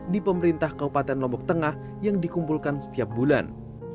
di pemerintah kabupaten lombok tengah yang dikumpulkan setiap bulan